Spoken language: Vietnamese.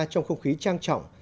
trong không khí trang trọng